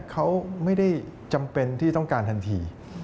เขาไม่ได้จำเป็นที่ต้องการทันที